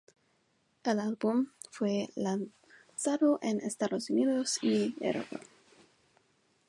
El álbum fue lanzado en Estados Unidos y Europa.